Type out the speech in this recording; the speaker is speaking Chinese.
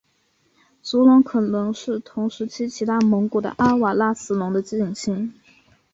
足龙可能是同时期其他蒙古的阿瓦拉慈龙类的近亲。